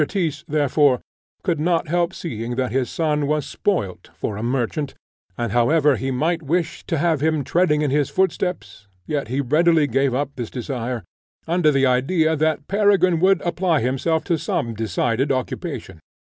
Tyss, therefore, could not help seeing that his son was spoilt for a merchant, and however he might wish to have him treading in his footsteps, yet he readily gave up this desire, under the idea that Peregrine would apply himself to some decided occupation.